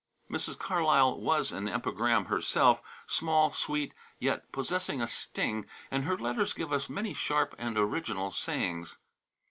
Mrs. Carlyle was an epigram herself small, sweet, yet possessing a sting and her letters give us many sharp and original sayings.